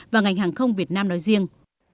và ngành hàng không việt nam nói riêng